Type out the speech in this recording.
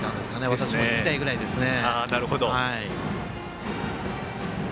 私も聞きたいぐらいですね。